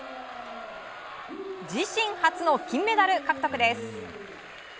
自身初の金メダル獲得です。